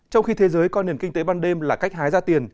trong khi thế giới coi nền kinh tế ban đêm là cách hái ra tiền